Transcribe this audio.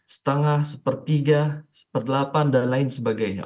setengah sepertiga sepertelapan dan lain sebagainya